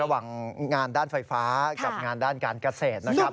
ระหว่างงานด้านไฟฟ้ากับงานด้านการเกษตรนะครับ